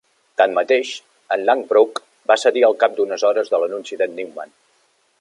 Tanmateix, en Langbroek va cedir al cap d'unes hores de l'anunci d'en Newman.